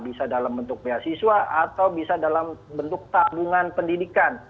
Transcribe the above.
bisa dalam bentuk beasiswa atau bisa dalam bentuk tabungan pendidikan